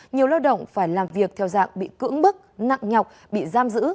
nhiều lao động phải làm việc theo dạng bị cưỡng bức nặng nhọc bị giam giữ